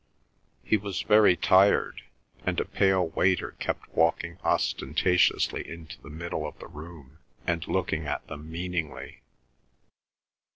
He was very tired, and a pale waiter kept walking ostentatiously into the middle of the room and looking at them meaningly.